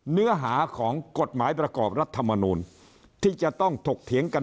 เนื้อหาของกฎหมายประกอบรัฐมนูลที่จะต้องถกเถียงกัน